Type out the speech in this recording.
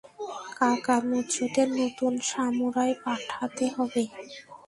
কাকামুচোতে নতুন সামুরাই পাঠাতে হবে?